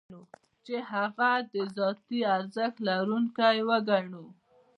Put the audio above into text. چې هغه د ذاتي ارزښت لرونکی وګڼو.